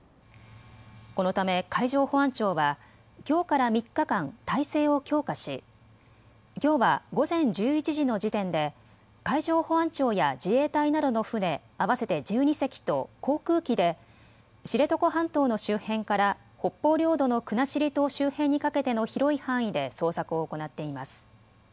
このため海上保安庁はきょうから３日間、態勢を強化しきょうは午前１１時の時点で海上保安庁や自衛隊などの船、合わせて１２隻と航空機で知床半島の周辺から北方領土の国後島周辺にかけての広い範囲で捜索を行っています。